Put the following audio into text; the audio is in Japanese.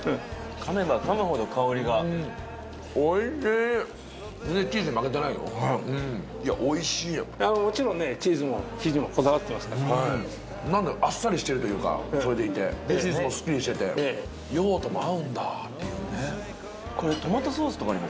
噛めば噛むほど香りが全然チーズに負けてないよいやおいしいもちろんねチーズも生地もこだわってますから何だろあっさりしてるというかそれでいてチーズもすっきりしてて洋とも合うんだですよね